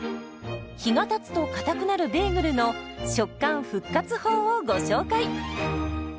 日がたつとかたくなるベーグルの食感復活法をご紹介。